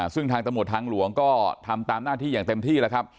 ซึ่งทางตำรวจทางหลวงก็ทำตามหน้าที่อย่างเต็มที่แล้วครับ